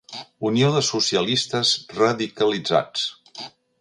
Unió de socialistes radicalitzats.